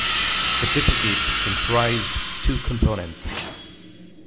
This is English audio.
Certificates comprised two components.